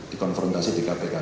dikonfrontasi di kpk